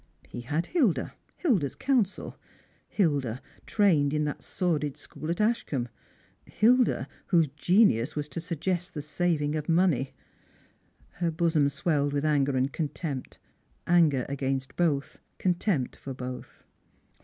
He had Hilda — Hilda's counsel ; Hilda, trained in that sordid school at Ashcombe ; Hilda, whose genius was to suggest thft saving of money. Her bosom swelled with anger and contempt — anger against both, contempt for both.